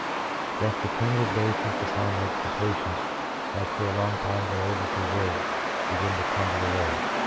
1 Thus the primitive bases upon which the patient has for a long time been able to live begin to crumble away.